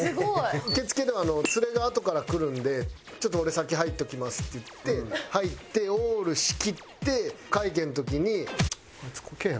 受付では「ツレがあとから来るんでちょっと俺先入っときます」って言って入ってオールしきって会計の時に。